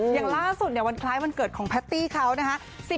อย่างล่าสุดเนี่ยวันคล้ายวันเกิดของแพตตี้เขานะคะ